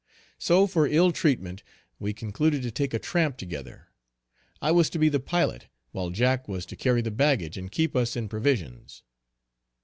So for ill treatment, we concluded to take a tramp together. I was to be the pilot, while Jack was to carry the baggage and keep us in provisions.